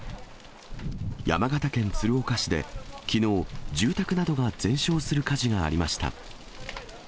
山形県鶴岡市できのう、住宅などが全焼する火事がありました。